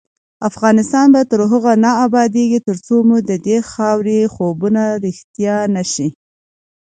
افغانستان تر هغو نه ابادیږي، ترڅو مو ددې خاورې خوبونه رښتیا نشي.